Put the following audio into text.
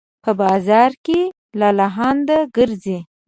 په بازار کې لالهانده ګرځي